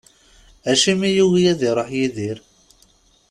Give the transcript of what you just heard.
Acimi yugi ad iruḥ Yidir?